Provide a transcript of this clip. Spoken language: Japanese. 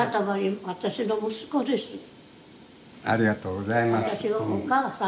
ありがとうございます。